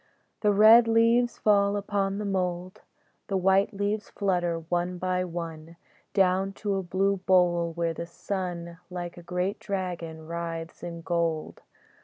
The red leaves fall upon the mould, The white leaves flutter, one by one, Down to a blue bowl where the sun, Like a great dragon, writhes in gold.